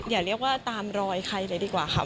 อย่าเรียกว่าตามรอยใครเลยดีกว่าค่ะ